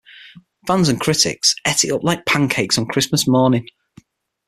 Fans and critics ate it up like pancakes on Christmas morning.